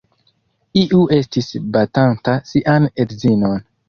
Iu estis batanta sian edzinon.